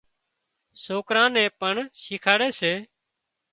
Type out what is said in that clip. سوڪران نين پڻ شيکاڙي سي